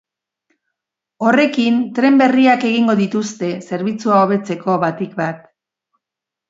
Horrekin, tren berriak egingo dituzte, zerbitzua hobetzeko, batik bat.